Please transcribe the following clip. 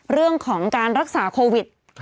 เรื่องของการรักษาโควิด